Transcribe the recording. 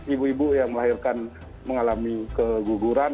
ibu ibu yang melahirkan mengalami keguguran